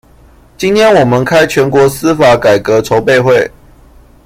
今天我們開全國司法改革籌備會